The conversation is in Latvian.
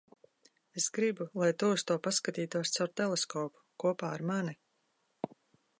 Es gribu, lai tu uz to paskatītos caur teleskopu - kopā ar mani.